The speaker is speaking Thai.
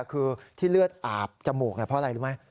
คือที่เลือดอาบจมูกเพราะอะไรรู้ไหม